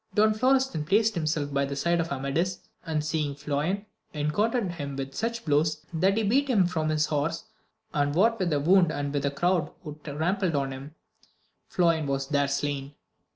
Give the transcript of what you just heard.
Don Florestan placed himself by the side of Amadis, and seeing Floyan, encountered him with such blows that he beat him from his horse, and what with the wound and with the crowd who trampled on him, Floyan was there slain.